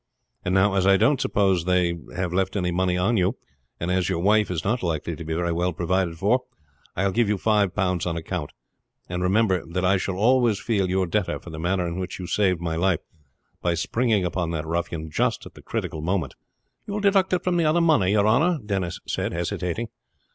And now, as I don't suppose they have left any money on you, and as your wife is not likely to be very well provided, I will give you five pounds on account; and remember that I shall always feel your debtor for the manner in which you saved my life by springing upon that ruffian just at the critical moment." "You will deduct it from the other money, your honor?" Denis said, hesitating.